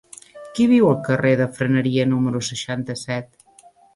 Qui viu al carrer de Freneria número seixanta-set?